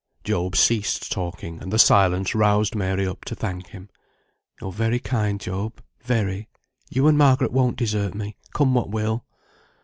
Job ceased talking, and the silence roused Mary up to thank him. "You're very kind, Job; very. You and Margaret won't desert me, come what will."